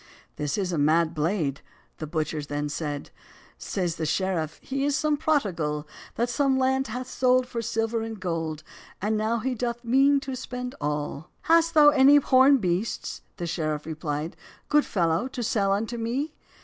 "This is a mad blade," the butchers then said; Saies the sheriff, "He is some prodigàl, That some land has sold for silver and gold, And now he doth mean to spend all. "Hast thou any horn beasts," the sheriff repli'd, "Good fellow, to sell unto me?"